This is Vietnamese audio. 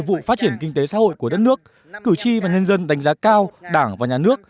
vụ phát triển kinh tế xã hội của đất nước cử tri và nhân dân đánh giá cao đảng và nhà nước